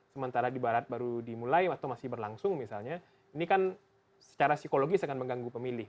sementara di barat baru dimulai atau masih berlangsung misalnya ini kan secara psikologis akan mengganggu pemilih